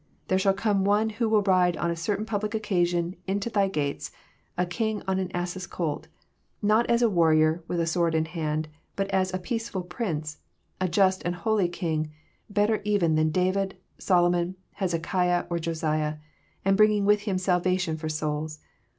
There shall come One who will ride on a certain public occasion into thy gates, — a King on an ass's colt, not as a warrior, with a sword in hand, but as a peaceful Prince, a Just and holy King, better even than David, Solomon, Hezekiah, or Josiah, and bringing with Him salvation lor souls.